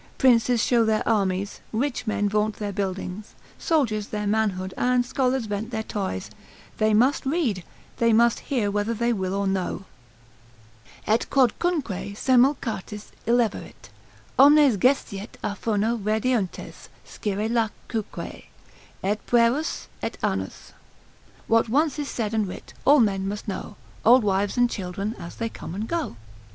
Princes show their armies, rich men vaunt their buildings, soldiers their manhood, and scholars vent their toys; they must read, they must hear whether they will or no. Et quodcunque semel chartis illeverit, omnes Gestiet a furno redeuntes scire lacuque, Et pueros et anus——— What once is said and writ, all men must know, Old wives and children as they come and go.